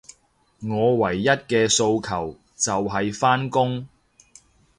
我唯一嘅訴求，就係返工